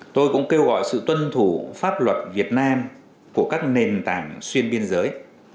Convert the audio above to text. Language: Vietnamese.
tôi cũng kêu gọi sự tuân thủ pháp luật việt nam của các nền tảng xuyên biên giới